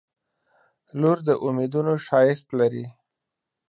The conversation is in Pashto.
• لور د امیدونو ښایست لري.